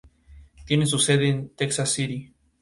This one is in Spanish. Tiene su sede en Texas City.